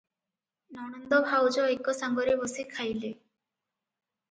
ନଣନ୍ଦ ଭାଉଜ ଏକ ସାଙ୍ଗରେ ବସି ଖାଇଲେ ।